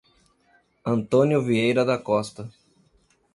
Antônio Vieira da Costa